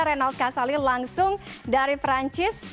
renald kasali langsung dari perancis